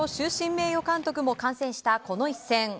名誉監督も観戦したこの一戦。